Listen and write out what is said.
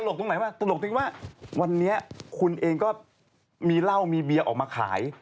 ตรงไหนป่ะตลกจริงว่าวันนี้คุณเองก็มีเหล้ามีเบียร์ออกมาขาย